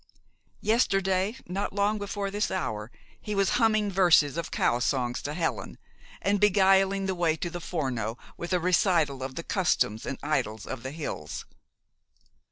Yesterday, not long before this hour, he was humming verses of cow songs to Helen, and beguiling the way to the Forno with a recital of the customs and idyls of the hills.